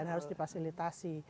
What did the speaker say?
dan harus difasilitasi